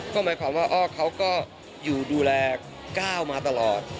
ก็หมายความว่าอ้อเขาก็อยู่ดูแลก้าวมาตลอด